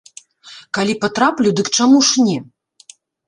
Калі патраплю, дык чаму ж не?